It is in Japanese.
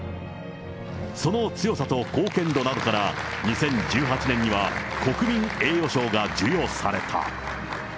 その強さと貢献度などから、２０１８年には国民栄誉賞が授与された。